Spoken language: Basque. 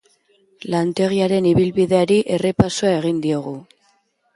Lantegiaren ibilbideari errepasoa egin diogu.